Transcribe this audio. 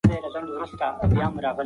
پر ځان باور لرل انسان قوي کوي.